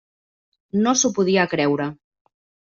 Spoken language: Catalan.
No s'ho podia creure.